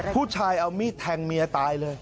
ผู้ชายเอามีดแทงเมียตายเลย